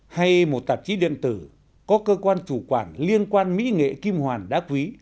hay một tạp chí điện tử có cơ quan chủ quản liên quan mỹ nghệ kim hoàn đá quý